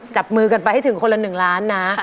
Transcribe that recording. จับมือกันไปให้ถึงคนละ๑ล้านนะ